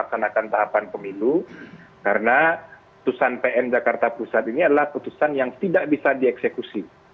ini adalah putusan yang tidak bisa dieksekusi